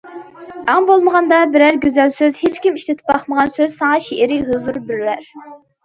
ئەڭ بولمىغاندا بىرەر گۈزەل سۆز، ھېچكىم ئىشلىتىپ باقمىغان سۆز ساڭا شېئىرىي ھۇزۇر بېرەر.